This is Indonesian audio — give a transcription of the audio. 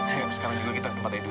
ayo sekarang juga kita ke tempat edo ya